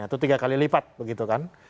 atau tiga kali lipat begitu kan